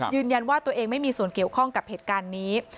ยืนยันว่าตัวเองไม่มีส่วนเกี่ยวข้องกับเหตุการณ์นี้